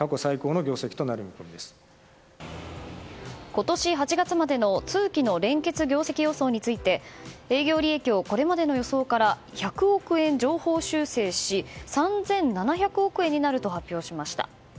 今年８月までの通期の連結業績予想について営業利益をこれまでの予想から１００億円、上方修正し３７００億円になると発表しました。